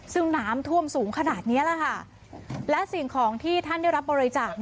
ซึ่งน้ำท่วมสูงขนาดนี้แหละค่ะและสิ่งของที่ท่านได้รับบริจาค